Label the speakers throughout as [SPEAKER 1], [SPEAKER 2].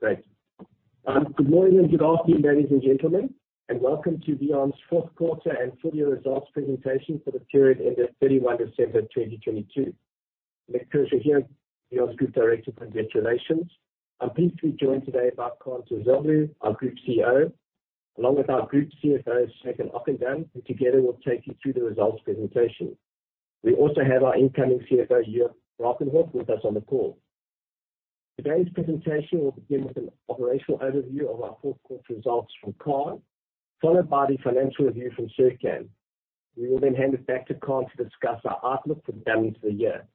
[SPEAKER 1] Great. Good morning and good afternoon, ladies and gentlemen, welcome to VEON's 4th quarter and full year results presentation for the period ended December 31, 2022. Nik Kershaw here, VEON's Group Director for Investor Relations. I'm pleased to be joined today by Kaan Terzioglu, our Group CEO, along with our Group CFO, Serkan Okandan. Together we'll take you through the results presentation. We also have our incoming CFO, Joop Brakenhoff, with us on the call. Today's presentation will begin with an operational overview of our 4th quarter results from Kaan, followed by the financial review from Serkan. We will hand it back to Kaan to discuss our outlook for the balance of the year.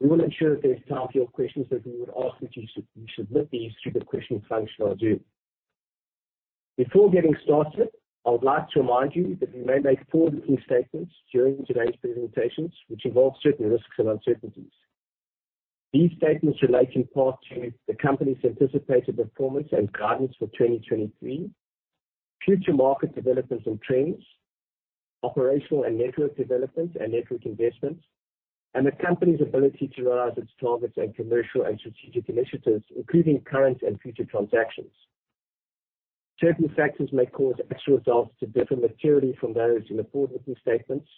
[SPEAKER 1] We will ensure that there's time for your questions, we would ask that you submit these through the question function on Zoom. Before getting started, I would like to remind you that we may make forward-looking statements during today's presentations, which involve certain risks and uncertainties. These statements relate in part to the company's anticipated performance and guidance for 2023, future market developments and trends, operational and network developments and network investments, and the company's ability to realize its targets and commercial and strategic initiatives, including current and future transactions. Certain factors may cause actual results to differ materially from those in the forward-looking statements,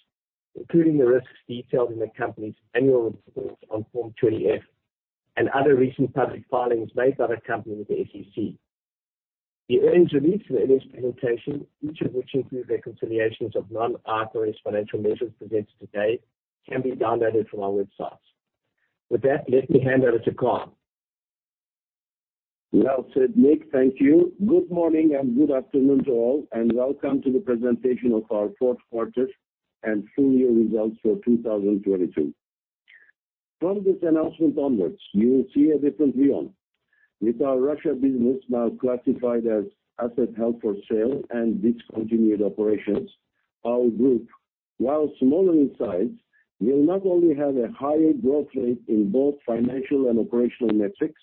[SPEAKER 1] including the risks detailed in the company's annual reports on Form 20-F and other recent public filings made by the company with the SEC. The earnings release and this presentation, each of which include reconciliations of non-IFRS financial measures presented today, can be downloaded from our websites. With that, let me hand over to Kaan.
[SPEAKER 2] Well said, Nik. Thank Thank you. Good morning. Good afternoon to all, welcome to the presentation of our 4th quarter and full year results for 2022. From this announcement onwards, you will see a different VEON. With our Russia business now classified as assets held for sale and discontinued operations, our group, while smaller in size, will not only have a higher growth rate in both financial and operational metrics,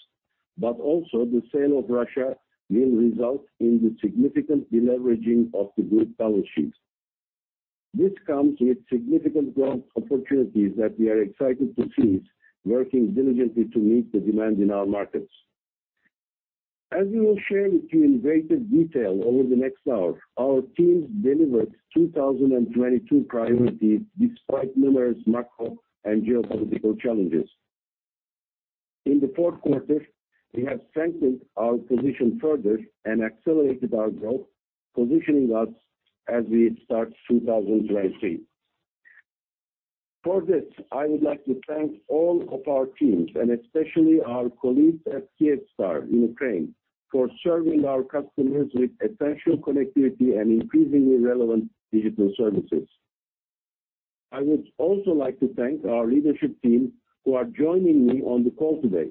[SPEAKER 2] but also the sale of Russia will result in the significant de-leveraging of the group balance sheets. This comes with significant growth opportunities that we are excited to seize, working diligently to meet the demand in our markets. As we will share with you in greater detail over the next hour, our teams delivered 2022 priorities despite numerous macro and geopolitical challenges. In the 4th quarter, we have strengthened our position further and accelerated our growth, positioning us as we start 2023. For this, I would like to thank all of our teams and especially our colleagues at Kyivstar in Ukraine for serving our customers with essential connectivity and increasingly relevant digital services. I would also like to thank our leadership team who are joining me on the call today,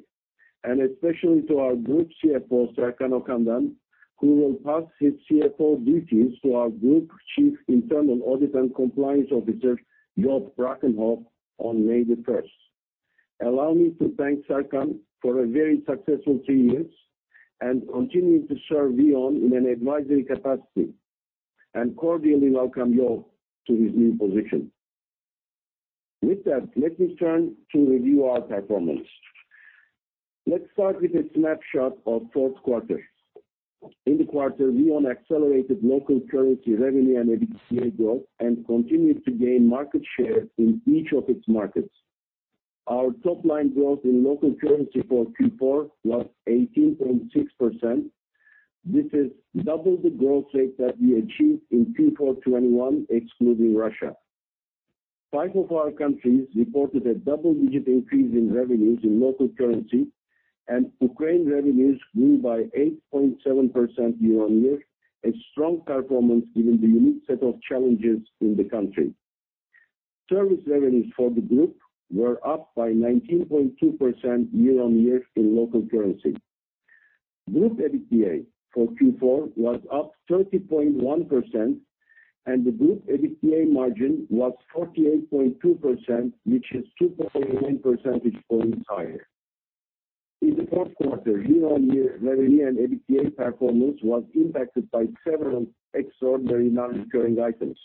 [SPEAKER 2] and especially to our Group CFO, Serkan Okandan, who will pass his CFO duties to our Group Chief Internal Audit and Compliance Officer, Joop Brakenhoff, on May 1. Allow me to thank Serkan for a very successful three years and continuing to serve VEON in an advisory capacity, and cordially welcome Joop to his new position. With that, let me turn to review our performance. Let's start with a snapshot of 4th quarter. In the quarter, VEON accelerated local currency revenue and EBITDA growth and continued to gain market share in each of its markets. Our top line growth in local currency for Q4 was 18.6%. This is double the growth rate that we achieved in Q4 2021, excluding Russia. Five of our countries reported a double-digit increase in revenues in local currency, and Ukraine revenues grew by 8.7% year-on-year, a strong performance given the unique set of challenges in the country. Service revenues for the group were up by 19.2% year-on-year in local currency. Group EBITDA for Q4 was up 30.1%, and the group EBITDA margin was 48.2%, which is 2.9 percentage points higher. In the 4th quarter, year-on-year revenue and EBITDA performance was impacted by several extraordinary non-recurring items.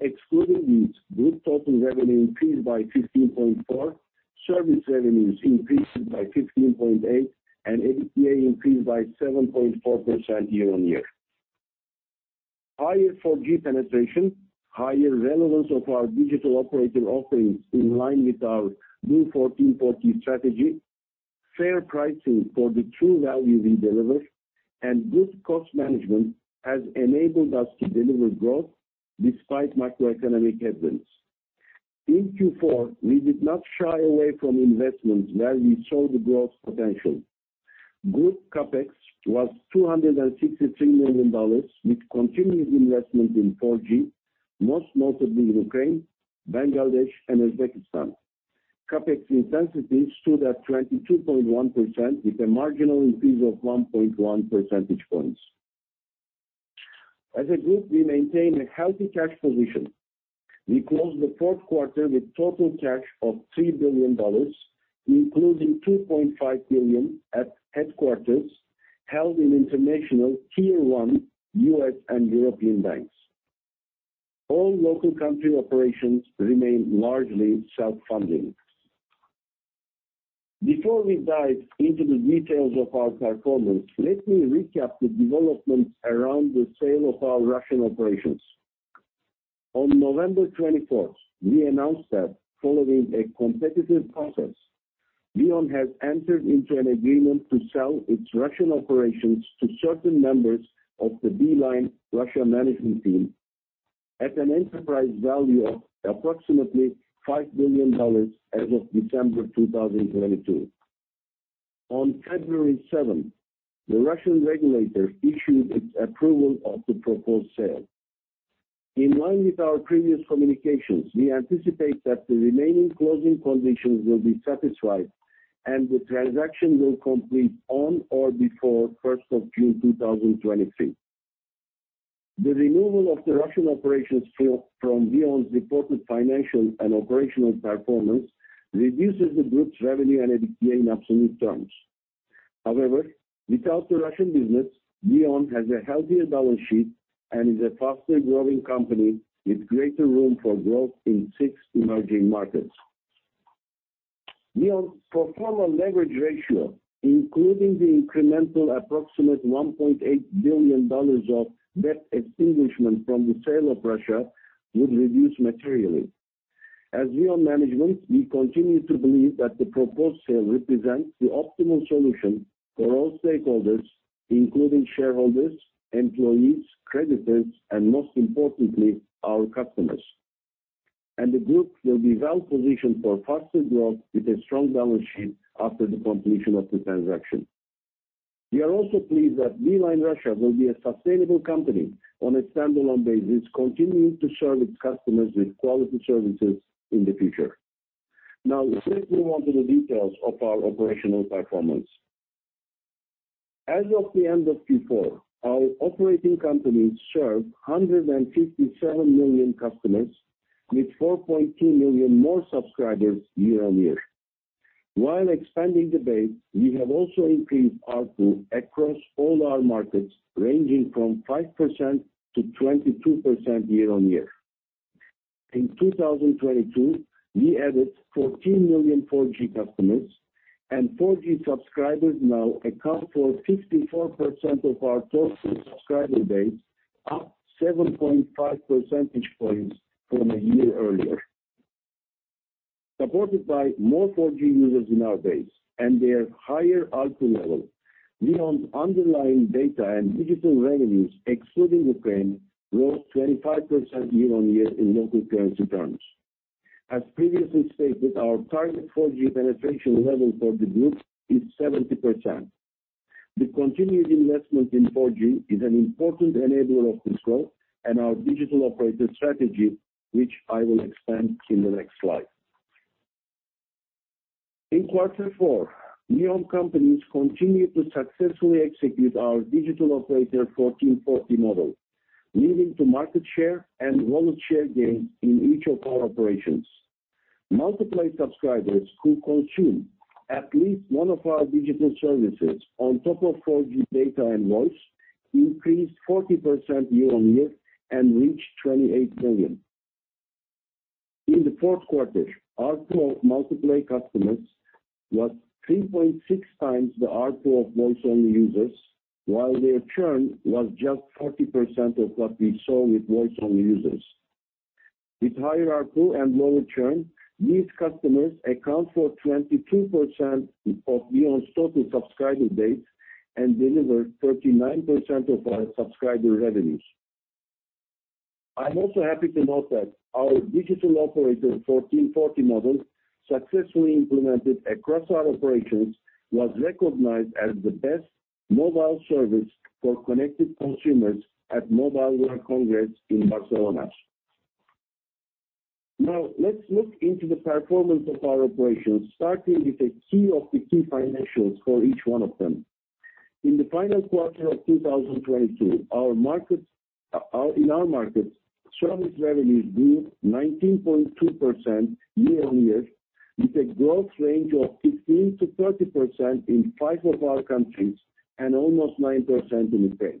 [SPEAKER 2] Excluding these, group total revenue increased by 15.4, service revenues increased by 15.8, and EBITDA increased by 7.4% year-on-year. Higher 4G penetration, higher relevance of our digital operator offerings in line with our Digital Operator 1440 strategy, fair pricing for the true value we deliver, and good cost management has enabled us to deliver growth despite macroeconomic headwinds. In Q4, we did not shy away from investments where we saw the growth potential. Group capex was $263 million, with continuous investment in 4G, most notably in Ukraine, Bangladesh, and Uzbekistan. capex intensity stood at 22.1% with a marginal increase of 1.1 percentage points. As a group, we maintain a healthy cash position. We closed the 4th quarter with total cash of $3 billion, including $2.5 billion at headquarters held in international tier-one U.S. and European banks. All local country operations remain largely self-funding. Before we dive into the details of our performance, let me recap the developments around the sale of our Russian operations. On November 24, we announced that following a competitive process, VEON has entered into an agreement to sell its Russian operations to certain members of the Beeline Russia management team at an enterprise value of approximately $5 billion as of December 2022. On February 7, the Russian regulator issued its approval of the proposed sale. In line with our previous communications, we anticipate that the remaining closing conditions will be satisfied and the transaction will complete on or before June 1, 2023. The removal of the Russian operations field from VEON's reported financial and operational performance reduces the group's revenue and EBITDA in absolute terms. Without the Russian business, VEON has a healthier balance sheet and is a faster-growing company with greater room for growth in six emerging markets. VEON's pro forma leverage ratio, including the incremental approximate $1.8 billion of debt extinguishment from the sale of Russia, would reduce materially. As VEON management, we continue to believe that the proposed sale represents the optimal solution for all stakeholders, including shareholders, employees, creditors, and most importantly, our customers. The group will be well-positioned for faster growth with a strong balance sheet after the completion of the transaction. We are also pleased that Beeline Russia will be a sustainable company on a standalone basis, continuing to serve its customers with quality services in the future. Now, let's move on to the details of our operational performance. As of the end of Q4, our operating companies served 157 million customers with 4.2 million more subscribers year-on-year. While expanding the base, we have also increased ARPU across all our markets, ranging from 5% to 22% year-on-year. In 2022, we added 14 million 4G customers, and 4G subscribers now account for 54% of our total subscriber base, up 7.5 percentage points from a year earlier. Supported by more 4G users in our base and their higher ARPU level, VEON's underlying data and digital revenues, excluding Ukraine, rose 25% year-on-year in local currency terms. As previously stated, our target 4G penetration level for the group is 70%. The continued investment in 4G is an important enabler of this growth and our digital operator strategy, which I will expand in the next slide. In quarter four, VEON companies continued to successfully execute our Digital Operator 1440 model, leading to market share and wallet share gains in each of our operations. multiplay subscribers who consume at least one of our digital services on top of 4G data and voice increased 40% year-on-year and reached 28 million. In the 4th quarter, ARPU of multiplay customers was 3.6 times the ARPU of voice-only users, while their churn was just 40% of what we saw with voice-only users. With higher ARPU and lower churn, these customers account for 22% of VEON's total subscriber base and deliver 39% of our subscriber revenues. I'm also happy to note that our Digital Operator 1440 model, successfully implemented across our operations, was recognized as the best mobile service for connected consumers at Mobile World Congress in Barcelona. Let's look into the performance of our operations, starting with the key financials for each one of them. In the final quarter of 2022, in our markets, service revenues grew 19.2% year-over-year with a growth range of 15%-30% in five of our countries and almost 9% in Ukraine.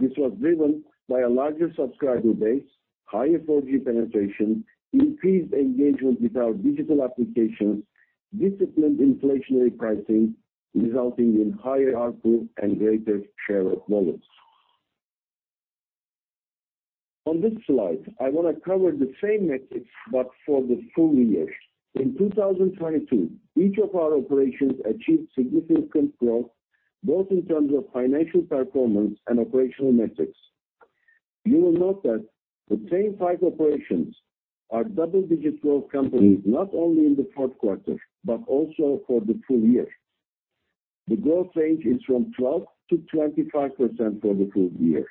[SPEAKER 2] This was driven by a larger subscriber base, higher 4G penetration, increased engagement with our digital applications, disciplined inflationary pricing, resulting in higher ARPU and greater share of wallets. On this slide, I wanna cover the same metrics but for the full year. In 2022, each of our operations achieved significant growth, both in terms of financial performance and operational metrics. You will note that the same five operations are double-digit growth companies, not only in the 4th quarter but also for the full year. The growth range is from 12% to 25% for the full year.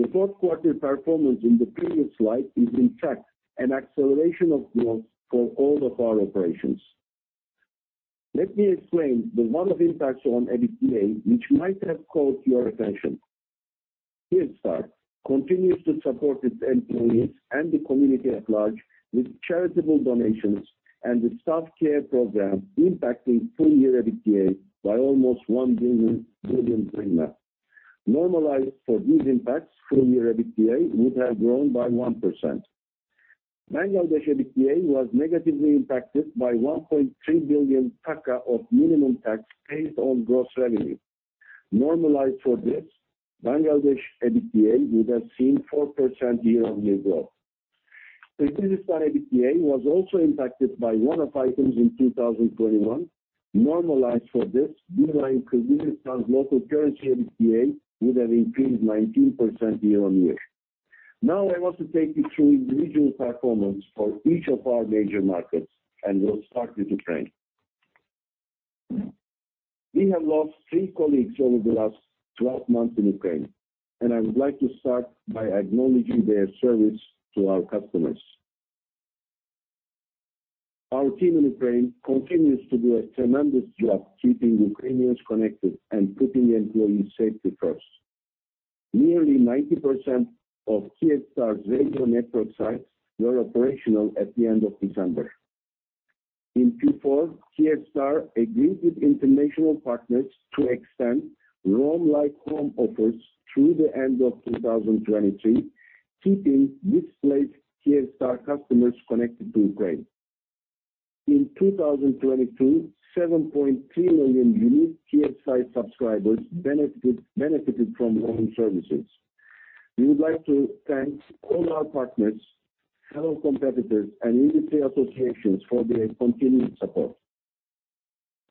[SPEAKER 2] The 4th quarter performance in the previous slide is in fact an acceleration of growth for all of our operations. Let me explain the one-off impacts on EBITDA which might have caught your attention. Kyivstar continues to support its employees and the community at large with charitable donations and the staff care program impacting full year EBITDA by almost UAH 1 billion. Normalized for these impacts, full year EBITDA would have grown by 1%. Bangladesh EBITDA was negatively impacted by BDT 1.3 billion of minimum tax paid on gross revenue. Normalized for this, Bangladesh EBITDA would have seen 4% year-on-year growth. Kyrgyzstan EBITDA was also impacted by one-off items in 2021. Normalized for this, United Kyrgyzstan's local currency EBITDA would have increased 19% year-on-year. I want to take you through individual performance for each of our major markets, and we'll start with Ukraine. We have lost three colleagues over the last 12 months in Ukraine, and I would like to start by acknowledging their service to our customers. Our team in Ukraine continues to do a tremendous job keeping Ukrainians connected and putting employee safety first. Nearly 90% of Kyivstar's radio network sites were operational at the end of December. In Q4, Kyivstar agreed with international partners to extend Roam Like Home offers through the end of 2023, keeping displaced Kyivstar customers connected to Ukraine. In 2022, 7.3 million unique Kyivstar subscribers benefited from roam services. We would like to thank all our partners, fellow competitors, and industry associations for their continued support.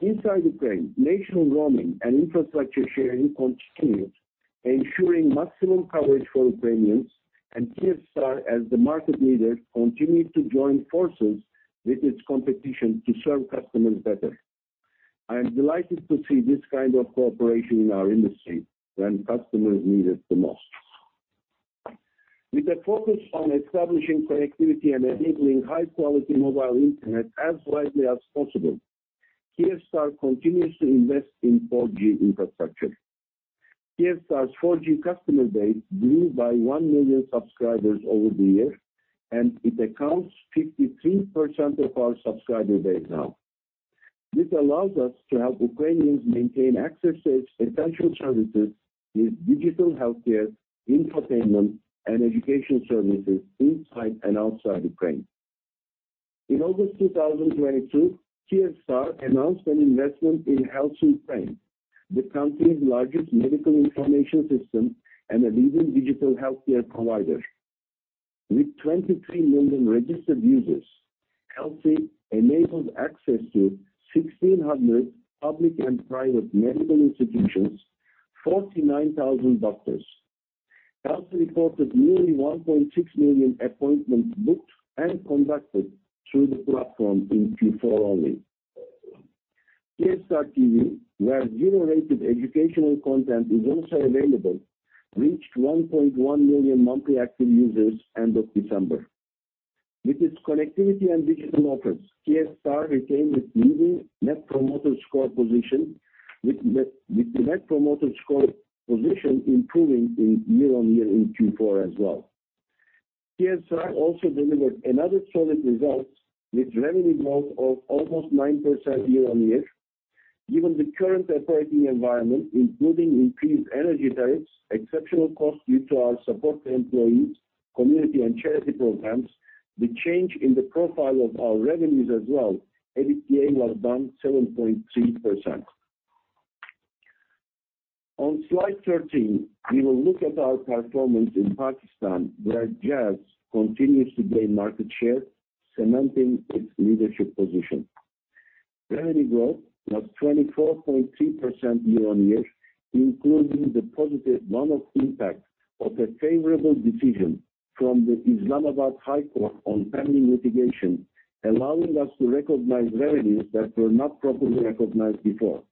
[SPEAKER 2] Inside Ukraine, national roaming and infrastructure sharing continues ensuring maximum coverage for Ukrainians. Kyivstar as the market leader continues to join forces with its competition to serve customers better. I am delighted to see this kind of cooperation in our industry when customers need it the most. With a focus on establishing connectivity and enabling high-quality mobile internet as widely as possible, Kyivstar continues to invest in 4G infrastructure. Kyivstar's 4G customer base grew by 1 million subscribers over the year. It accounts 53% of our subscriber base now. This allows us to help Ukrainians maintain access to essential services with digital healthcare, infotainment, and education services inside and outside Ukraine. In August 2022, Kyivstar announced an investment in Helsi, the country's largest medical information system and a leading digital healthcare provider. With 23 million registered users, Helsi enabled access to 1,600 public and private medical institutions, 49,000 doctors. Helsi reported nearly 1.6 million appointments booked and conducted through the platform in Q4 only. Kyivstar TV, where generated educational content is also available, reached 1.1 million monthly active users end of December. With its connectivity and digital offers, Kyivstar retained its leading Net Promoter Score position with the net promoter score position improving in year-on-year in Q4 as well. Kyivstar also delivered another solid result with revenue growth of almost 9% year-on-year. Given the current operating environment including increased energy tariffs, exceptional costs due to our support to employees, community, and charity programs, the change in the profile of our revenues as well, EBITDA was down 7.3%. On slide 13, we will look at our performance in Pakistan, where Jazz continues to gain market share, cementing its leadership position. Revenue growth was 24.3% year-on-year, including the positive one-off impact of a favorable decision from the Islamabad High Court on pending litigation, allowing us to recognize revenues that were not properly recognized before.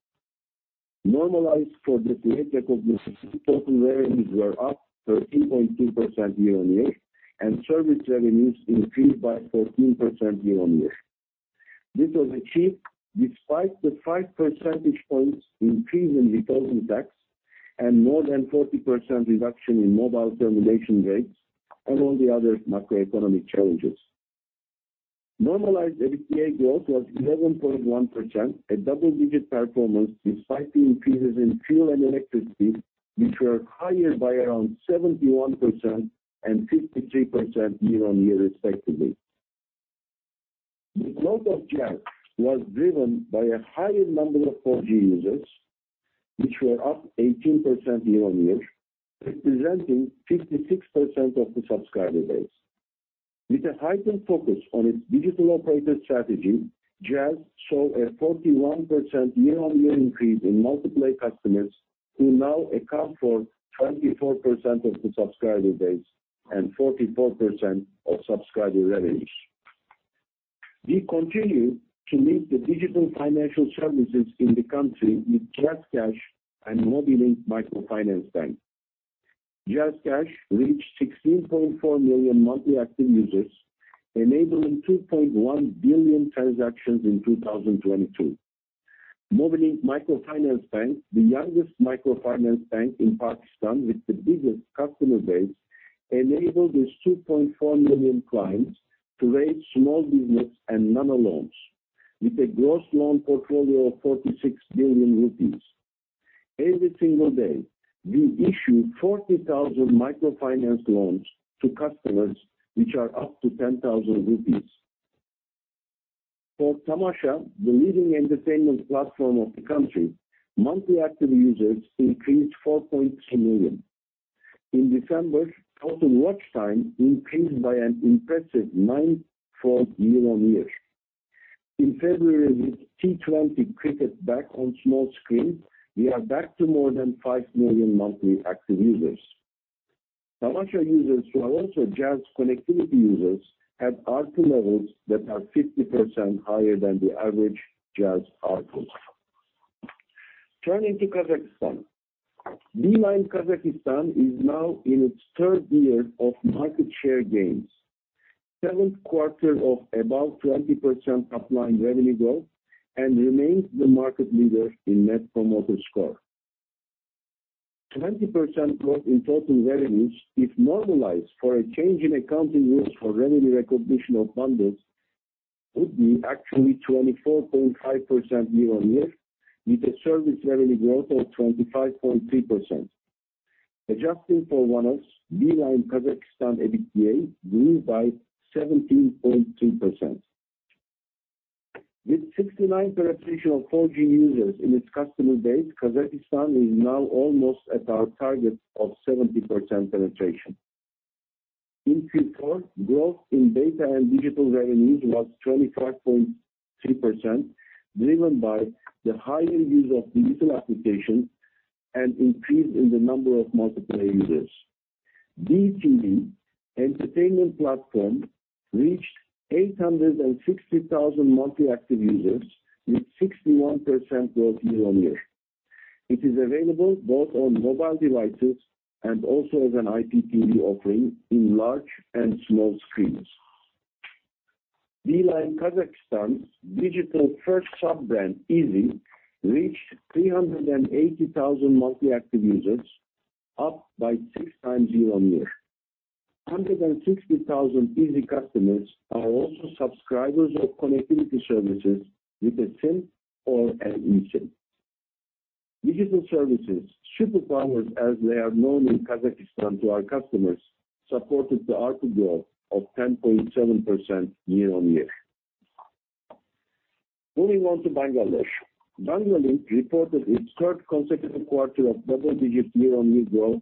[SPEAKER 2] Normalized for the late recognition, total revenues were up 13.2% year-on-year. Service revenues increased by 14% year-on-year. This was achieved despite the five percentage points increase in retail tax and more than 40% reduction in mobile termination rates among the other macroeconomic challenges. Normalized EBITDA growth was 11.1%, a double-digit performance despite the increases in fuel and electricity, which were higher by around 71% and 53% year-on-year respectively. The growth of Jazz was driven by a higher number of 4G users, which were up 18% year-on-year, representing 56% of the subscriber base. With a heightened focus on its digital operator strategy, Jazz saw a 41% year-on-year increase in multiplay customers, who now account for 24% of the subscriber base and 44% of subscriber revenues. We continue to lead the digital financial services in the country with JazzCash and Mobilink Microfinance Bank. JazzCash reached 16.4 million monthly active users, enabling 2.1 billion transactions in 2022. Mobilink Microfinance Bank, the youngest microfinance bank in Pakistan with the biggest customer base, enabled its 2.4 million clients to raise small business and nano loans with a gross loan portfolio of PKR 46 billion. Every single day, we issue 40,000 microfinance loans to customers, which are up to PKR 10,000. For Tamasha, the leading entertainment platform of the country, monthly active users increased 4.2 million. In December, total watch time increased by an impressive nine-fold year-on-year. In February, with T20 cricket back on small screen, we are back to more than 5 million monthly active users. Tamasha users who are also Jazz connectivity users have ARPU levels that are 50% higher than the average Jazz ARPUs. Turning to Kazakhstan. Beeline Kazakhstan is now in its 3rd year of market share gains. Seventh quarter of above 20% top line revenue growth and remains the market leader in Net Promoter Score. 20% growth in total revenues, if normalized for a change in accounting rules for revenue recognition of bundles, would be actually 24.5% year-on-year, with a service revenue growth of 25.3%. Adjusting for 1Os, Beeline Kazakhstan EBITDA grew by 17.2%. With 69 penetration of 4G users in its customer base, Kazakhstan is now almost at our target of 70% penetration. In Q4, growth in data and digital revenues was 25.3%, driven by the higher use of digital applications and increase in the number of multiplayer users. DTV entertainment platform reached 860,000 monthly active users with 61% growth year-on-year. It is available both on mobile devices and also as an IPTV offering in large and small screens. Beeline Kazakhstan's digital-first sub-brand, izi, reached 380,000 monthly active users, up by six times year-on-year. 160,000 izi customers are also subscribers of connectivity services with a SIM or an eSIM. Digital services, superpowers, as they are known in Kazakhstan to our customers, supported the ARPU growth of 10.7% year-on-year. Moving on to Bangladesh. Banglalink reported its 3rd consecutive quarter of double-digit year-on-year growth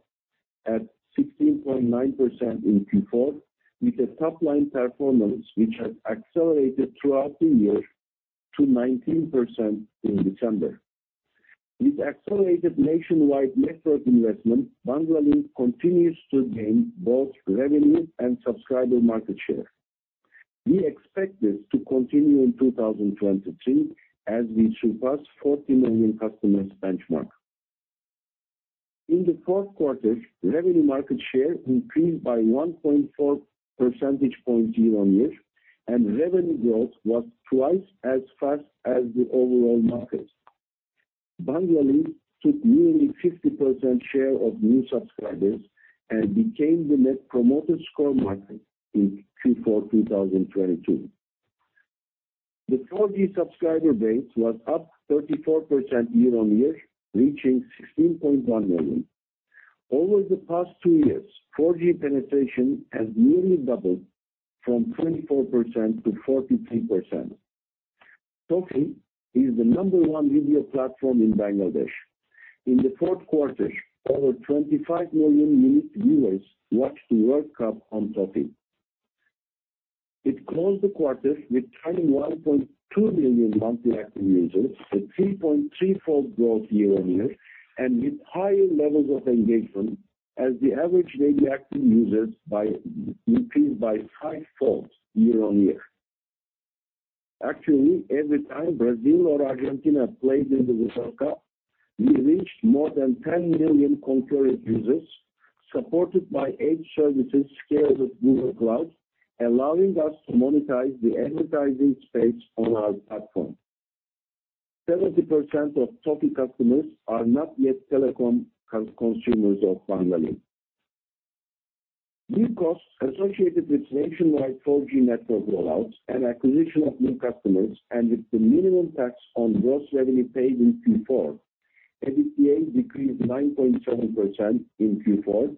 [SPEAKER 2] at 16.9% in Q4, with a top-line performance which has accelerated throughout the year to 19% in December. With accelerated nationwide network investment, Banglalink continues to gain both revenue and subscriber market share. We expect this to continue in 2023 as we surpass 40 million customers benchmark. In the 4th quarter, revenue market share increased by 1.4 percentage points year-on-year. Revenue growth was twice as fast as the overall market. Banglalink took nearly 50% share of new subscribers and became the Net Promoter Score market in Q4 2022. The 4G subscriber base was up 34% year-on-year, reaching 16.1 million. Over the past two years, 4G penetration has nearly doubled from 24% to 43%. Toffee is the number one video platform in Bangladesh. In the 4th quarter, over 25 million minute viewers watched the World Cup on Toffee. It closed the quarter with 21.2 million monthly active users, a 3.3-fold growth year-on-year, and with higher levels of engagement as the average daily active users increased by 5-fold year-on-year. Actually, every time Brazil or Argentina played in the World Cup, we reached more than 10 million concurrent users supported by edge services scaled with Google Cloud, allowing us to monetize the advertising space on our platform. 70% of Toffee customers are not yet telecom consumers of Banglalink. New costs associated with nationwide 4G network rollouts and acquisition of new customers, and with the minimum tax on gross revenue paid in Q4, EBITDA decreased 9.7% in Q4.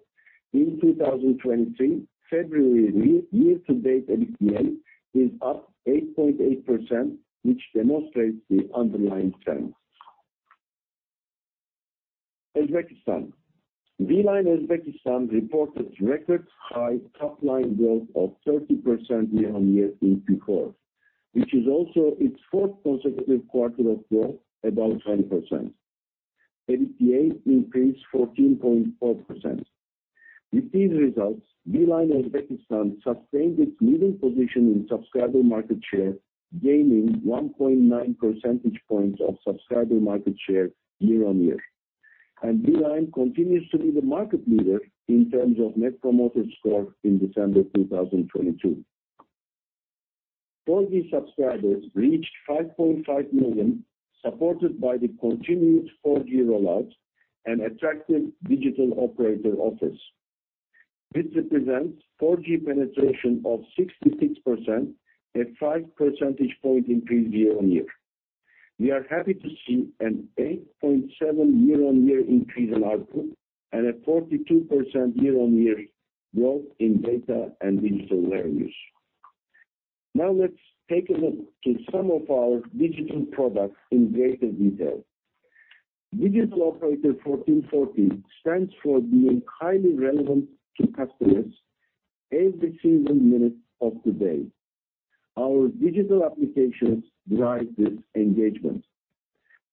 [SPEAKER 2] In 2023, February year-to-date EBITDA is up 8.8%, which demonstrates the underlying strength. Uzbekistan. Beeline Uzbekistan reported record high top line growth of 30% year-on-year in Q4, which is also its 4th consecutive quarter of growth above 20%. EBITDA increased 14.4%. With these results, Beeline Uzbekistan sustained its leading position in subscriber market share, gaining 1.9 percentage points of subscriber market share year-on-year. Beeline continues to be the market leader in terms of Net Promoter Score in December 2022. 4G subscribers reached 5.5 million, supported by the continued 4G rollout and attractive digital operator offers. This represents 4G penetration of 66%, a five percentage point increase year-on-year. We are happy to see an 8.7 year-on-year increase in ARPU and a 42% year-on-year growth in data and digital revenues. Let's take a look to some of our digital products in greater detail. Digital Operator 1440 stands for being highly relevant to customers every single minute of the day. Our digital applications drive this engagement.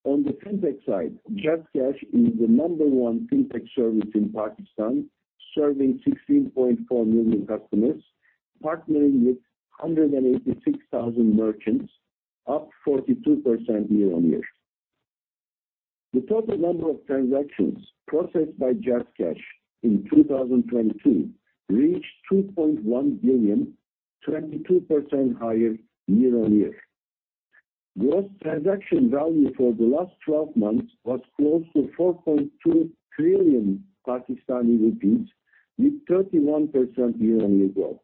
[SPEAKER 2] On the FinTech side, JazzCash is the number one FinTech service in Pakistan, serving 16.4 million customers, partnering with 186,000 merchants, up 42% year-on-year. The total number of transactions processed by JazzCash in 2022 reached 2.1 billion, 22% higher year-on-year. Gross transaction value for the last 12 months was close to PKR 4.2 trillion with 31% year-on-year growth.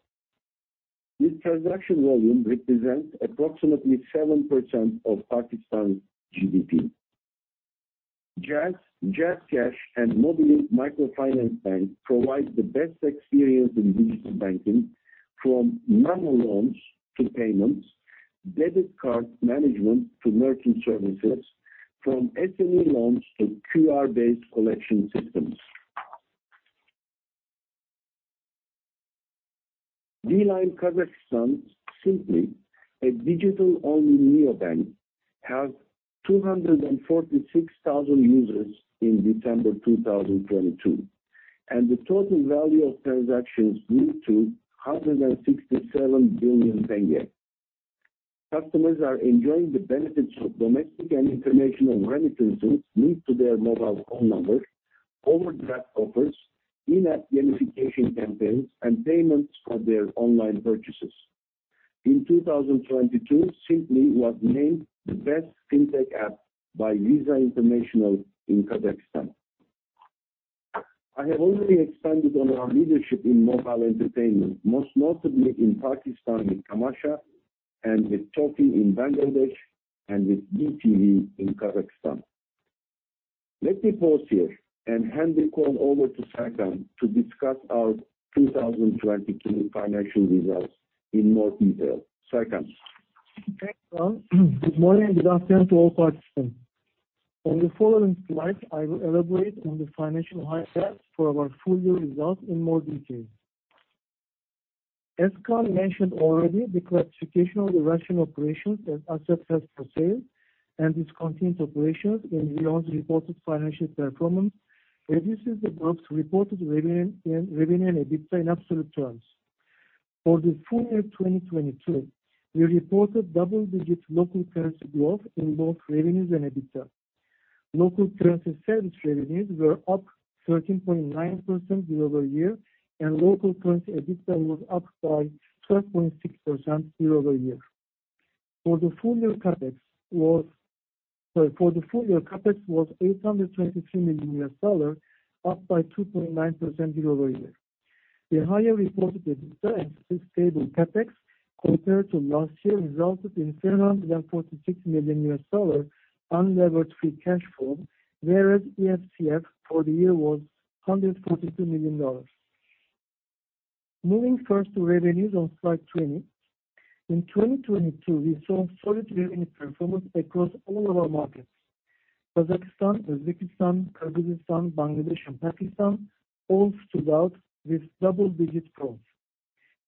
[SPEAKER 2] This transaction volume represents approximately 7% of Pakistan's GDP. Jazz, JazzCash, and Mobilink Microfinance Bank provides the best experience in digital banking, from normal loans to payments, debit card management to merchant services, from SME loans to QR-based collection systems. Beeline Kazakhstan, simply a digital-only neobank, has 246,000 users in December 2022, and the total value of transactions grew to KZT 167 billion. Customers are enjoying the benefits of domestic and international remittances linked to their mobile phone numbers, overdraft offers, in-app gamification campaigns, and payments for their online purchases. In 2022, Simply was named the best FinTech app by Visa International in Kazakhstan. I have already expanded on our leadership in mobile entertainment, most notably in Pakistan with Tamasha and with Toffee in Bangladesh and with DTV in Kazakhstan. Let me pause here and hand the call over to Serkan to discuss our 2022 financial results in more detail. Serkan.
[SPEAKER 3] Thanks, Kaan. Good morning. Good afternoon to all participants. On the following slides, I will elaborate on the financial highlights for our full year results in more detail. As Kaan mentioned already, the classification of the Russian operations and assets held for sale and discontinued operations in VEON's reported financial performance reduces the group's reported revenue and EBITDA in absolute terms. For the full year 2022, we reported double-digit local currency growth in both revenues and EBITDA. Local currency service revenues were up 13.9% year-over-year, local currency EBITDA was up by 12.6% year-over-year. For the full year, CapEx was $823 million, up by 2.9% year-over-year. The higher reported EBITDA and stable CapEx compared to last year resulted in $346 million unlevered free cash flow, whereas EFCF for the year was $142 million. Moving first to revenues on slide 20. In 2022, we saw solid revenue performance across all of our markets. Kazakhstan, Uzbekistan, Kyrgyzstan, Bangladesh, and Pakistan all stood out with double-digit growth.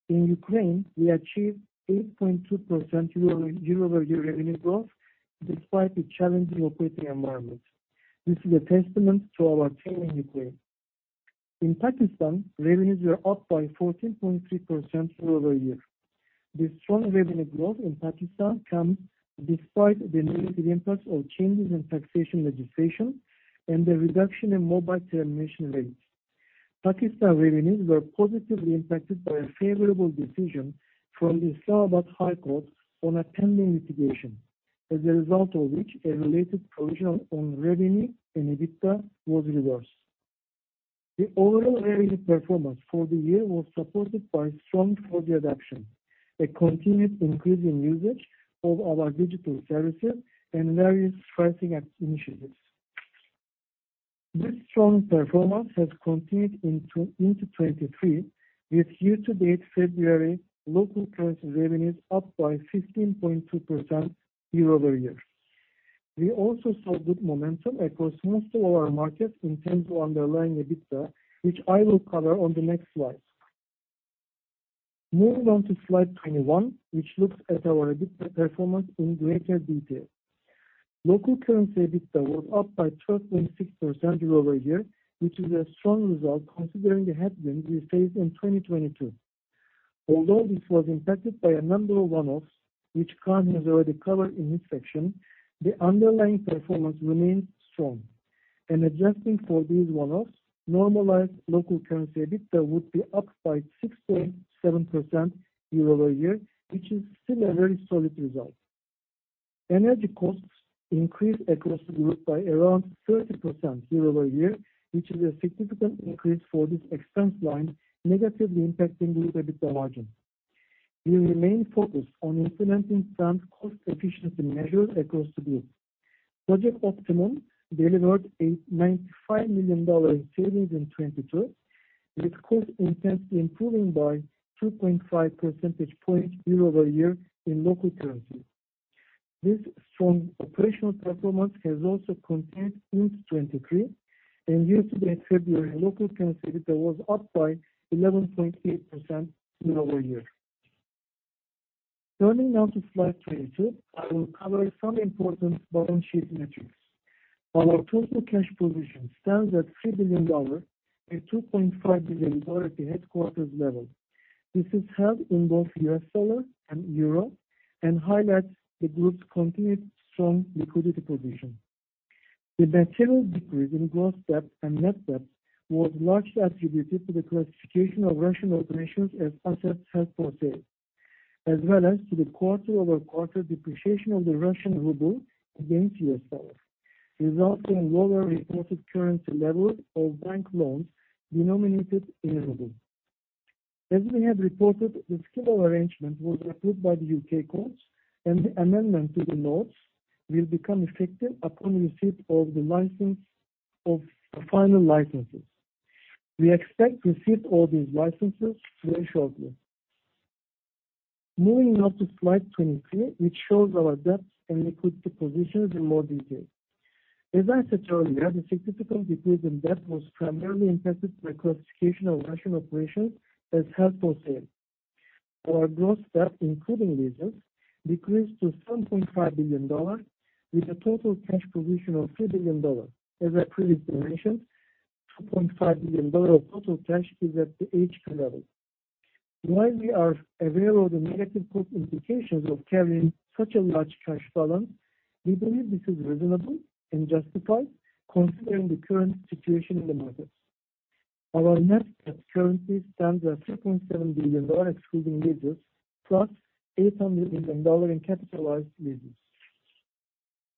[SPEAKER 3] In Ukraine, we achieved 8.2% year-over-year revenue growth despite the challenging operating environment. This is a testament to our team in Ukraine. In Pakistan, revenues were up by 14.3% year-over-year. This strong revenue growth in Pakistan comes despite the negative impacts of changes in taxation legislation and the reduction in mobile termination rates. Pakistan revenues were positively impacted by a favorable decision from Islamabad High Court on a pending litigation, as a result of which a related provision on revenue and EBITDA was reversed. The overall revenue performance for the year was supported by strong 4G adoption, a continued increase in usage of our digital services, and various pricing initiatives. This strong performance has continued into 2023, with year-to-date February local currency revenues up by 15.2% year-over-year. We also saw good momentum across most of our markets in terms of underlying EBITDA, which I will cover on the next slide. Moving on to slide 21, which looks at our EBITDA performance in greater detail. Local currency EBITDA was up by 12.6% year-over-year, which is a strong result considering the headwinds we faced in 2022. Although this was impacted by a number of one-offs, which Kaan has already covered in his section, the underlying performance remains strong. Adjusting for these one-offs, normalized local currency EBITDA would be up by 6.7% year-over-year, which is still a very solid result. Energy costs increased across the group by around 30% year-over-year, which is a significant increase for this expense line, negatively impacting group EBITDA margin. We remain focused on implementing plant cost efficiency measures across the group. Project Optimum delivered a $95 million in savings in 2022, with cost intensity improving by 2.5 percentage points year-over-year in local currency. This strong operational performance has also continued into 2022, and year to date February local currency EBITDA was up by 11.8% year-over-year. Turning now to slide 22, I will cover some important balance sheet metrics. Our total cash position stands at $3 billion, with $2.5 billion at the headquarters level. This is held in both U.S dollar and euro, and highlights the group's continued strong liquidity position. The material decrease in gross debt and net debt was largely attributed to the classification of Russian operations as assets held for sale, as well as to the quarter-over-quarter depreciation of the Russian ruble against U.S dollar, resulting in lower reported currency levels of bank loans denominated in ruble. As we have reported, the scheme of arrangement was approved by the U.K courts, and the amendment to the notes will become effective upon receipt of the license of the final licenses. We expect to receive all these licenses very shortly. Moving now to slide 23, which shows our debt and liquidity positions in more detail. As I said earlier, the significant decrease in debt was primarily impacted by classification of Russian operations as held for sale. Our gross debt, including leases, decreased to $7.5 billion, with a total cash position of $3 billion. As I previously mentioned, $2.5 billion of total cash is at the HQ level. While we are aware of the negative book implications of carrying such a large cash balance, we believe this is reasonable and justified considering the current situation in the market. Our net debt currently stands at $3.7 billion excluding leases, plus $800 million in capitalized leases.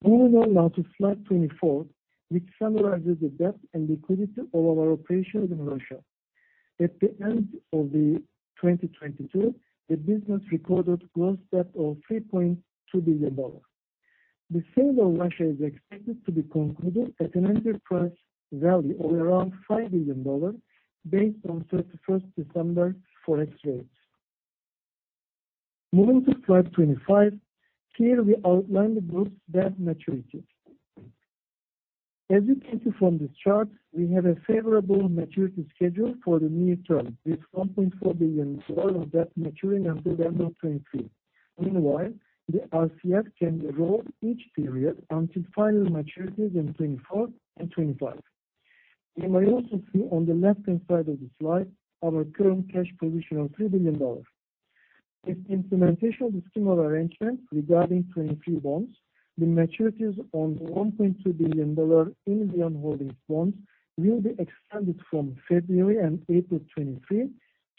[SPEAKER 3] Moving on now to slide 24, which summarizes the debt and liquidity of our operations in Russia. At the end of 2022, the business recorded gross debt of $3.2 billion. The sale of Russia is expected to be concluded at an enterprise value of around $5 billion based on December 31 Forex rates. Moving to slide 25, here we outline the group's debt maturities. As you can see from this chart, we have a favorable maturity schedule for the near term, with $1.4 billion of debt maturing until the end of 2023. Meanwhile, the RCF can roll each period until final maturities in 2024 and 2025. You may also see on the left-hand side of the slide our current cash position of $3 billion. With implementation of the scheme of arrangement regarding 23 bonds, the maturities on $1.2 billion in VEON Holdings bonds will be extended from February and April 2023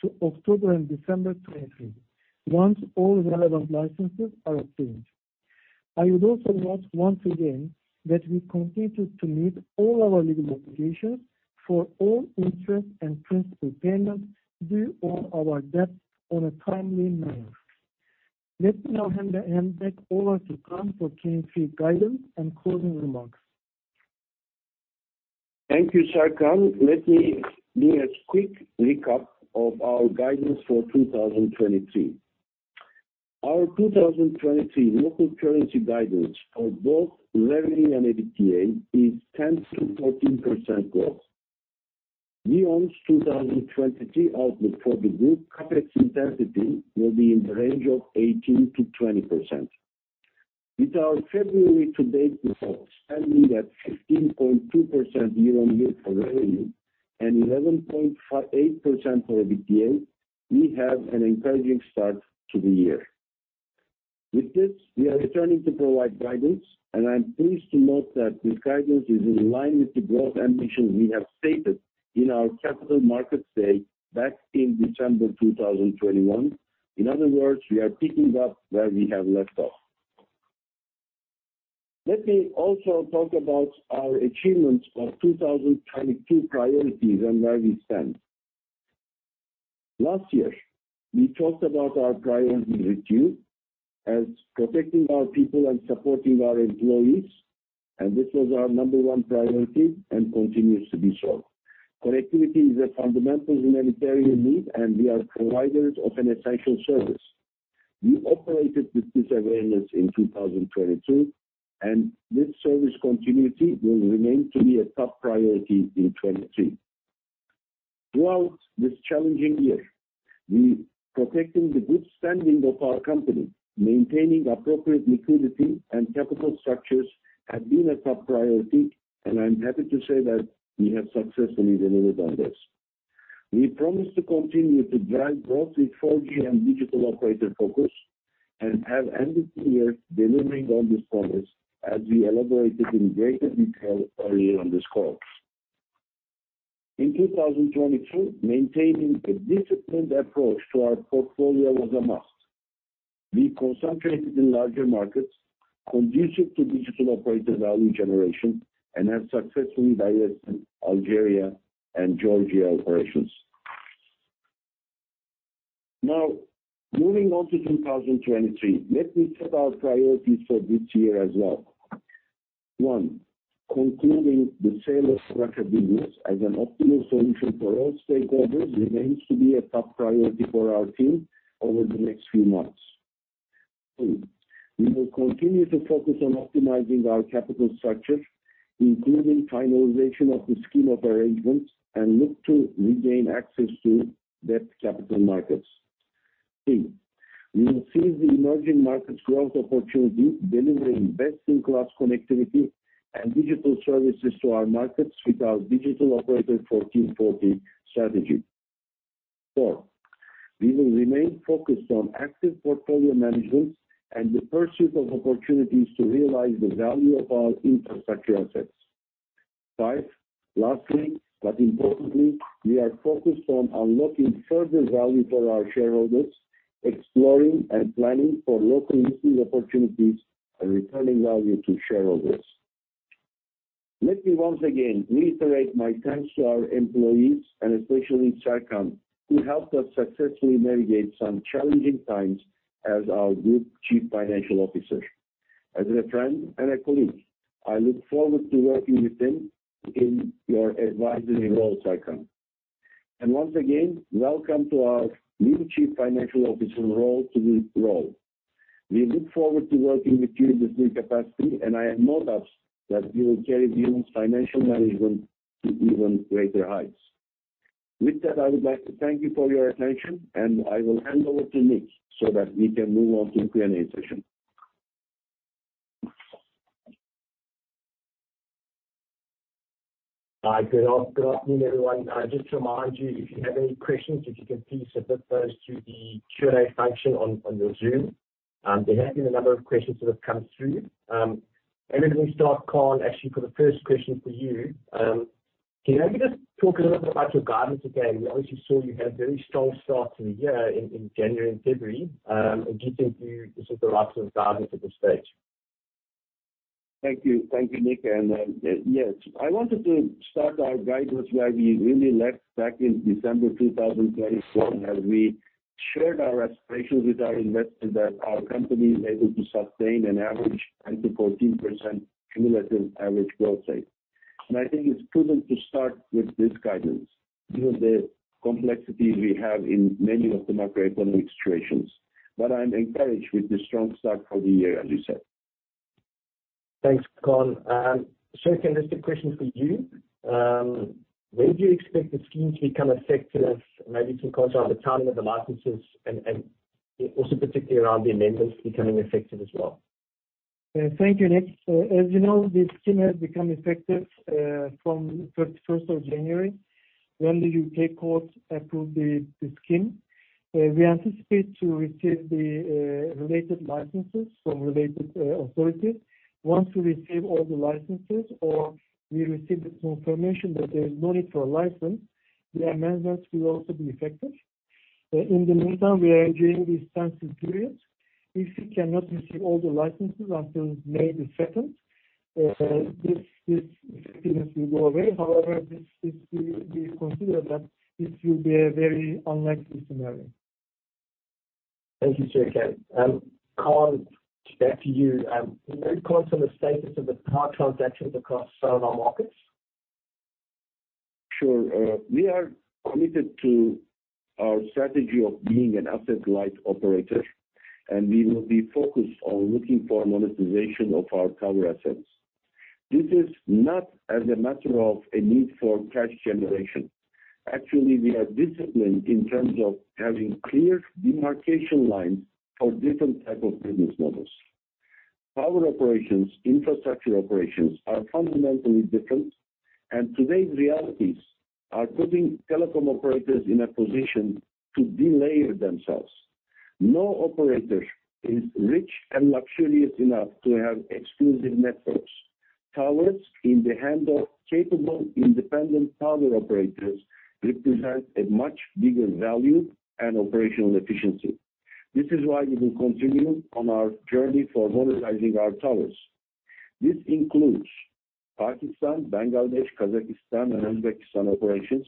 [SPEAKER 3] to October and December 2023 once all relevant licenses are obtained. I would also note once again that we continue to meet all our legal obligations for all interest and principal payments due on our debt on a timely manner. Let me now hand back over to Kaan for Q&A guidance and closing remarks.
[SPEAKER 2] Thank you, Serkan. Let me do a quick recap of our guidance for 2023. Our 2023 local currency guidance for both revenue and EBITDA is 10%-14% growth. VEON's 2023 outlook for the group CapEx intensity will be in the range of 18%-20%. With our February to date results standing at 15.2% year-over-year for revenue and 11.8% for EBITDA, we have an encouraging start to the year. With this, we are returning to provide guidance, I'm pleased to note that this guidance is in line with the growth ambitions we have stated in our Capital Markets Day back in December 2021. In other words, we are picking up where we have left off. Let me also talk about our achievements for 2022 priorities and where we stand. Last year, we talked about our priorities with you as protecting our people and supporting our employees, and this was our number 1 priority and continues to be so. Connectivity is a fundamental humanitarian need, and we are providers of an essential service. We operated with this awareness in 2022, and this service continuity will remain to be a top priority in 2023. Throughout this challenging year, we protecting the good standing of our company, maintaining appropriate liquidity and capital structures have been a top priority, and I'm happy to say that we have successfully delivered on this. We promised to continue to drive growth with 4G and digital operator focus, have ended the year delivering on this promise, as we elaborated in greater detail earlier on this call. In 2022, maintaining a disciplined approach to our portfolio was a must. We concentrated in larger markets conducive to digital operator value generation and have successfully divested Algeria and Georgia operations. Moving on to 2023, let me set our priorities for this year as well. One, concluding the sale of Russia business as an optimal solution for all stakeholders remains to be a top priority for our team over the next few months. Two, we will continue to focus on optimizing our capital structure, including finalization of the scheme of arrangements, look to regain access to debt capital markets. Three, we will seize the emerging markets growth opportunity, delivering best-in-class connectivity and digital services to our markets with our Digital Operator 1440 strategy. Four, we will remain focused on active portfolio management and the pursuit of opportunities to realize the value of our infrastructure assets. Five, lastly, but importantly, we are focused on unlocking further value for our shareholders, exploring and planning for low-commission opportunities, and returning value to shareholders. Let me once again reiterate my thanks to our employees and especially Serkan, who helped us successfully navigate some challenging times as our Group Chief Financial Officer. As a friend and a colleague, I look forward to working with him in your advisory role, Serkan. Once again, welcome to our new Chief Financial Officer role, Joop. We look forward to working with you in this new capacity, and I have no doubts that you will carry VEON's financial management to even greater heights. With that, I would like to thank you for your attention, and I will hand over to Nik so that we can move on to Q&A session.
[SPEAKER 1] Hi. Good afternoon, everyone. Just to remind you, if you have any questions, if you can please submit those to the Q&A function on your Zoom. There have been a number of questions that have come through. Maybe we start, Kaan, actually for the first question for you. Can you maybe just talk a little bit about your guidance again? We obviously saw you had a very strong start to the year in January and February. Do you think you this is the right sort of guidance at this stage?
[SPEAKER 2] Thank you. Thank you, Nik. I wanted to start our guidance where we really left back in December 2024, as we shared our aspirations with our investors that our company is able to sustain an average 10%-14% cumulative average growth rate. I think it's prudent to start with this guidance given the complexities we have in many of the macroeconomic situations. I'm encouraged with the strong start for the year, as you said.
[SPEAKER 1] Thanks, Kaan. Serkan, just a question for you. When do you expect the scheme to become effective? Maybe you can comment on the timing of the licenses and also particularly around the amendments becoming effective as well.
[SPEAKER 3] Thank you, Nick. As you know, the scheme has become effective from January 31 When the U.K courts approved the scheme. We anticipate to receive the related licenses from related authorities. Once we receive all the licenses or we receive the confirmation that there is no need for a license, the amendments will also be effective. In the meantime, we are during this sensitive period. If we cannot receive all the licenses until May 2, this effectiveness will go away. However, this we consider that it will be a very unlikely scenario.
[SPEAKER 1] Thank you, Serkan. Kaan, back to you. Can you comment on the status of the tower transactions across several markets?
[SPEAKER 2] Sure. We are committed to our strategy of being an asset-light operator. We will be focused on looking for monetization of our tower assets. This is not as a matter of a need for cash generation. Actually, we are disciplined in terms of having clear demarcation lines for different type of business models. Tower operations, infrastructure operations are fundamentally different. Today's realities are putting telecom operators in a position to delayer themselves. No operator is rich and luxurious enough to have exclusive networks. Towers in the hand of capable independent tower operators represent a much bigger value and operational efficiency. This is why we will continue on our journey for monetizing our towers. This includes Pakistan, Bangladesh, Kazakhstan, and Uzbekistan operations.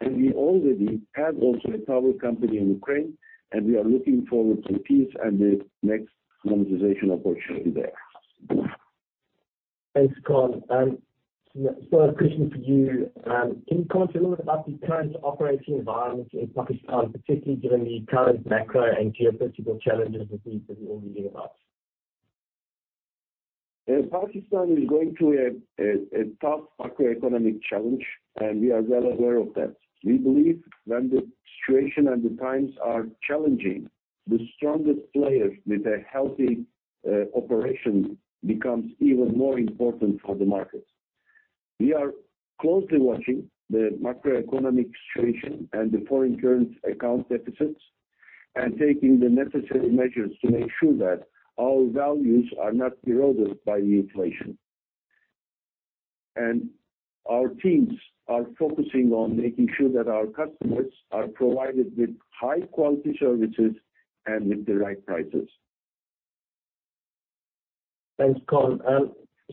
[SPEAKER 2] We already have also a tower company in Ukraine, and we are looking forward to peace and the next monetization opportunity there.
[SPEAKER 1] Thanks, Kaan. A question for you. Can you comment a little bit about the current operating environment in Pakistan, particularly given the current macro and geopolitical challenges that we've been reading about?
[SPEAKER 2] In Pakistan is going through a tough macroeconomic challenge, and we are well aware of that. We believe when the situation and the times are challenging, the strongest players with a healthy operation becomes even more important for the markets. We are closely watching the macroeconomic situation and the foreign current account deficits. Taking the necessary measures to make sure that our values are not eroded by the inflation. Our teams are focusing on making sure that our customers are provided with high quality services and with the right prices.
[SPEAKER 1] Thanks, Kaan.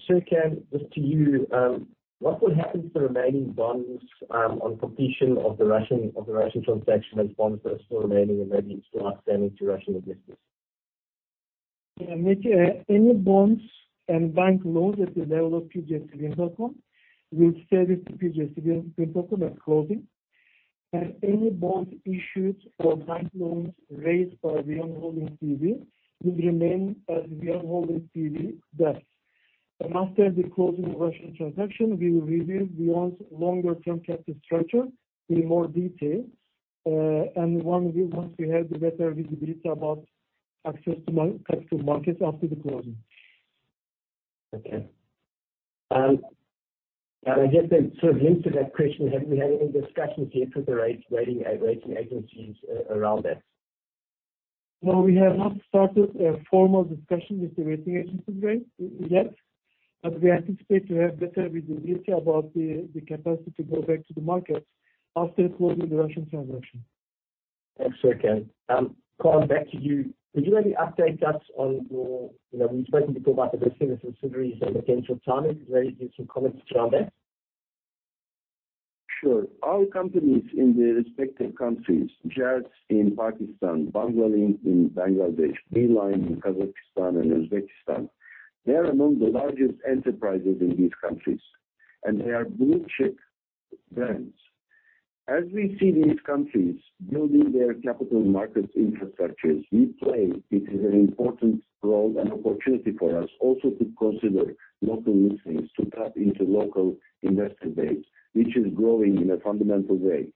[SPEAKER 1] Serkan, just to you, what will happen to the remaining bonds, on completion of the Russian transaction and bonds that are still remaining and maybe still outstanding to Russian investors?
[SPEAKER 3] Yeah, Matthew, any bonds and bank loans at the level of Turkcell Group will stay with Turkcell Group at closing. Any bonds issued or bank loans raised by VEON Holdings B.V. will remain as VEON Holdings B.V. debts. After the closing of Russian transaction, we will review VEON's longer term capital structure in more detail. one, we want to have the better visibility about access to capital markets after the closing.
[SPEAKER 1] Okay. I guess a sort of linked to that question, have we had any discussions yet with the rating agencies around this?
[SPEAKER 3] We have not started a formal discussion with the rating agencies yet. We anticipate to have better visibility about the capacity to go back to the markets after closing the Russian transaction.
[SPEAKER 1] Thanks, Serkan. Kaan, back to you. Did you have any updates on your, you know, we expected to go back to the synergies and potential timing? Could you give some comments around that?
[SPEAKER 2] Sure. Our companies in the respective countries, Jazz in Pakistan, Banglalink in Bangladesh, Beeline in Kazakhstan and Uzbekistan, they are among the largest enterprises in these countries, and they are blue chip brands. As we see these countries building their capital markets infrastructures, we play, it is an important role and opportunity for us also to consider local listings to tap into local investor base, which is growing in a fundamental way.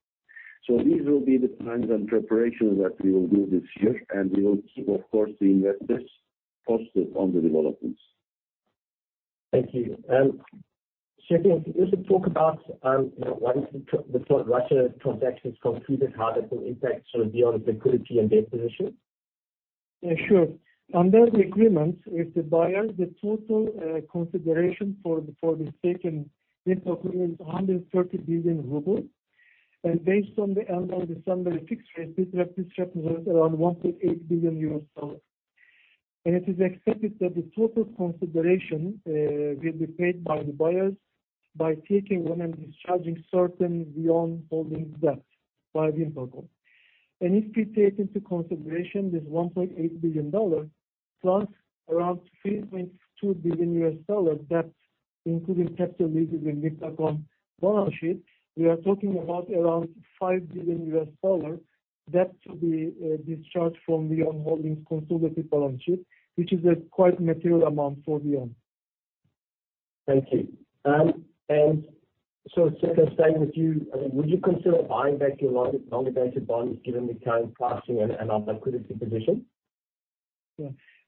[SPEAKER 2] These will be the plans and preparations that we will do this year, and we will keep, of course, the investors posted on the developments.
[SPEAKER 1] Thank you. Serkan, could you talk about, you know, once the Russia transaction is completed, how that will impact sort of VEON's liquidity and debt position?
[SPEAKER 3] Yeah, sure. Under the agreement with the buyer, the total consideration for the stake in this agreement is 130 billion rubles. Based on the end of December fix rate, this represents around $1.8 billion. It is expected that the total consideration will be paid by the buyers by taking on and discharging certain VEON Holding's debt by the info group. If we take into consideration this $1.8 billion plus around $3.2 billion debt, including capital leases in VimpelCom balance sheet, we are talking about around $5 billion debt to be discharged from VEON Holding's consolidated balance sheet, which is a quite material amount for VEON.
[SPEAKER 1] Thank you. Serkan, staying with you, would you consider buying back your long dated bonds given the current pricing and our liquidity position?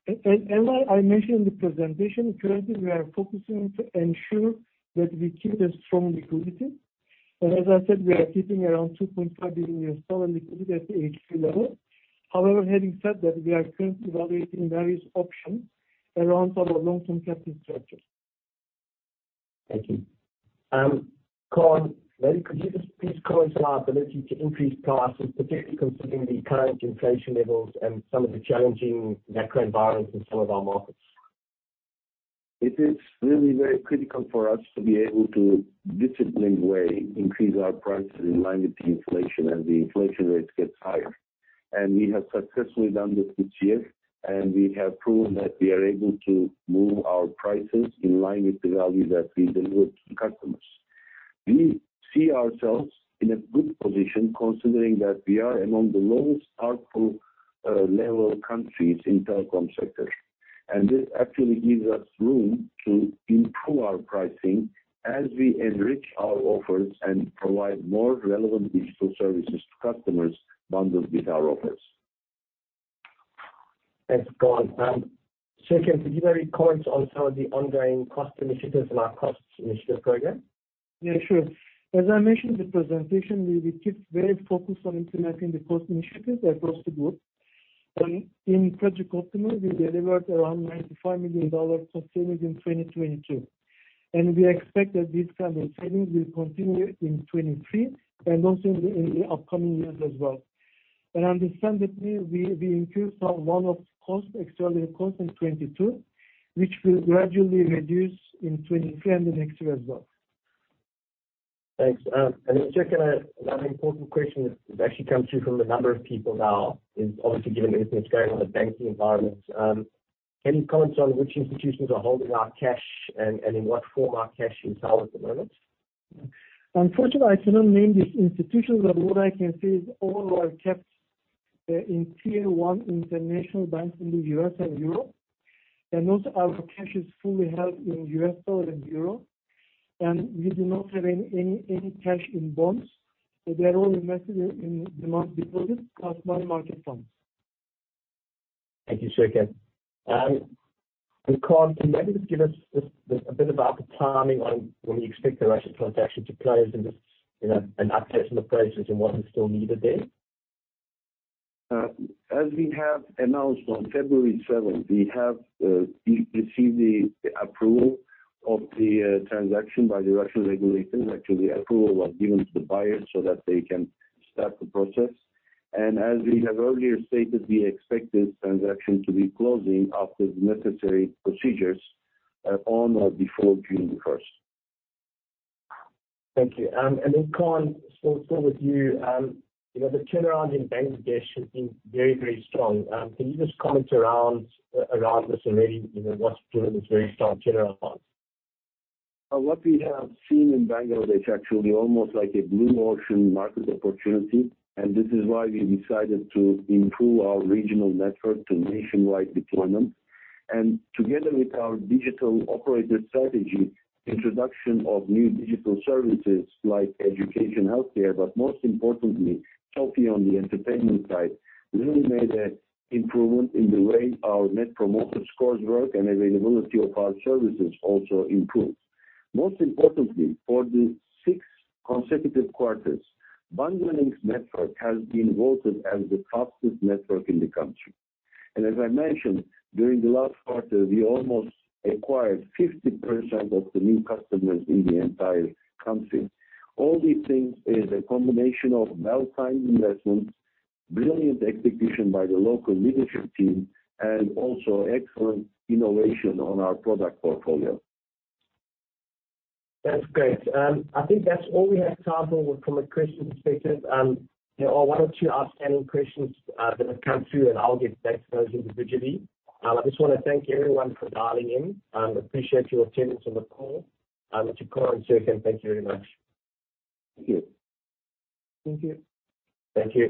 [SPEAKER 3] As I mentioned in the presentation, currently we are focusing to ensure that we keep a strong liquidity. As I said, we are keeping around $2.5 billion liquidity at the HQ level. However, having said that, we are currently evaluating various options around our long-term capital structure.
[SPEAKER 1] Thank you. Kaan, maybe could you just please comment on our ability to increase prices, particularly considering the current inflation levels and some of the challenging macro environments in some of our markets?
[SPEAKER 2] It is really very critical for us to be able to disciplined way increase our prices in line with the inflation as the inflation rate gets higher. We have successfully done this this year, and we have proven that we are able to move our prices in line with the value that we deliver to customers. We see ourselves in a good position considering that we are among the lowest ARPU level countries in telecom sector. This actually gives us room to improve our pricing as we enrich our offers and provide more relevant digital services to customers bundled with our offers.
[SPEAKER 1] Thanks, Kaan. Serkan, could you give any comments on some of the ongoing cost initiatives in our cost initiative program?
[SPEAKER 3] Sure. As I mentioned in the presentation, we keep very focused on implementing the cost initiatives across the group. In Project Optimum, we delivered around $95 million cost savings in 2022. We expect that this kind of savings will continue in 2023 and also in the upcoming years as well. Understandably, we increased our one-off costs, extraordinary costs in 2022, which will gradually reduce in 2023 and the next year as well.
[SPEAKER 1] Thanks. Serkan, another important question that actually comes through from a number of people now is obviously given everything that's going on in the banking environment. Any comments on which institutions are holding our cash and in what form our cash is held at the moment?
[SPEAKER 3] Unfortunately, I cannot name these institutions, but what I can say is all are kept in tier one international banks in the U.S. and Europe. Also, our cash is fully held in U.S. dollar and euro, and we do not have any cash in bonds. They're all invested in demand deposits plus money market funds.
[SPEAKER 1] Thank you, Serkan. Kaan, can you maybe just give us just a bit about the timing on when we expect the Russian transaction to close and just, you know, an update on the prices and what is still needed there?
[SPEAKER 2] As we have announced on February seventh, we have received the approval of the transaction by the Russian regulators. Actually, approval was given to the buyers so that they can start the process. As we have earlier stated, we expect this transaction to be closing after the necessary procedures on or before June the first.
[SPEAKER 1] Thank you. Kaan, still with you. You know, the turnaround in Bangladesh has been very, very strong. Can you just comment around this already, you know, what's driven this very strong turnaround?
[SPEAKER 2] What we have seen in Bangladesh, actually almost like a blue ocean market opportunity, this is why we decided to improve our regional network to nationwide deployment. Together with our digital operated strategy, introduction of new digital services like education, healthcare, but most importantly, Toffee on the entertainment side, really made a improvement in the way our Net Promoter Scores work and availability of our services also improved. Most importantly, for the six consecutive quarters, Banglalink's network has been voted as the fastest network in the country. As I mentioned, during the last quarter, we almost acquired 50% of the new customers in the entire country. All these things is a combination of well-timed investments, brilliant execution by the local leadership team, and also excellent innovation on our product portfolio.
[SPEAKER 1] That's great. I think that's all we have time for from a question perspective. There are one or two outstanding questions that have come through and I'll get back to those individually. I just wanna thank everyone for dialing in. Appreciate your attendance on the call. To Kaan and Serkan, thank you very much.
[SPEAKER 2] Thank you.
[SPEAKER 3] Thank you.
[SPEAKER 1] Thank you.